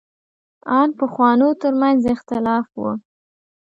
ان پخوانو تر منځ اختلاف و.